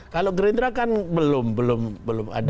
kalau gerindra kan belum belum ada